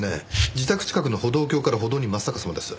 自宅近くの歩道橋から歩道に真っ逆さまです。